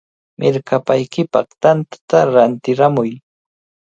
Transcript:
¡Mirkapaykipaq tantata rantiramuy!